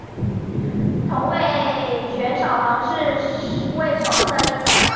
同位旋守恒是味守恒的一种。